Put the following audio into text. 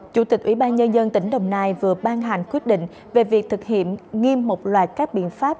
chủ tịch ủy ban nhân dân tỉnh đồng nai vừa ban hành quyết định về việc thực hiện nghiêm một loạt các biện pháp